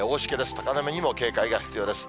高波にも警戒が必要です。